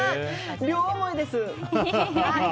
両思いです！